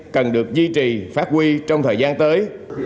cần được duy trì phát huy trong thời gian tới